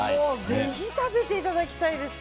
ぜひ食べていただきたいです。